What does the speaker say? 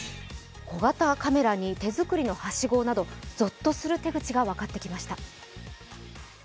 小型カメラに手作りのはしごなどぞっとする手口が分かってきました。